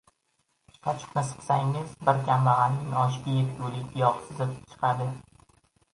Sochiqni siqsangiz bir kambag‘alning oshiga yetgulik yog‘ sizib chiqadi...